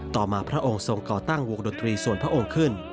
ต่อมาพระองค์ทรงก่อตั้งวงดนตรีส่วนพระองค์ขึ้น